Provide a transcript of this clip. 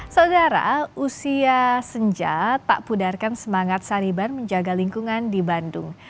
saudara usia senja tak pudarkan semangat saliban menjaga lingkungan di bandung